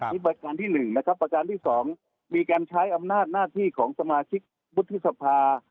นี่ประการที่๑นะครับประการที่๒มีการใช้อำนาจหน้าที่ของสมาชิกวุฒิสภา